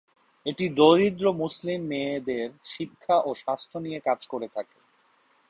এটি দরিদ্র মুসলিম মেয়েদের শিক্ষা ও স্বাস্থ্য নিয়ে কাজ করে থাকে।